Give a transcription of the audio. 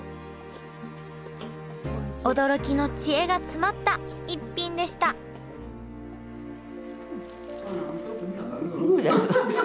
驚きの知恵が詰まった逸品でしたグーです。